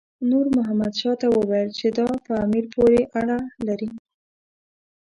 نور محمد شاه ته وویل چې دا په امیر پورې اړه لري.